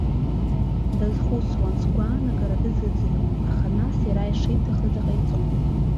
Дазхәыцуан, сгәаанагара дазыӡырҩуан, аха нас иара ишиҭахыз иҟаиҵон.